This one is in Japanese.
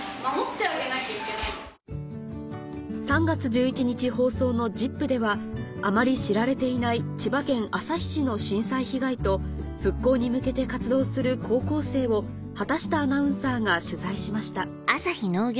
３月１１日放送の『ＺＩＰ！』ではあまり知られていない千葉県旭市の震災被害と復興に向けて活動する高校生を畑下アナウンサーが取材しました